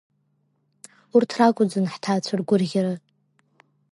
Урҭ ракуӡан ҳҭаацәа ргурӷьара.